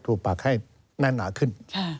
ปักให้แน่นหนาขึ้น